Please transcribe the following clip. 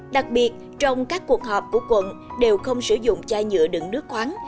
đặc biệt trong các cuộc họp của quận đều không sử dụng chai nhựa đựng nước khoáng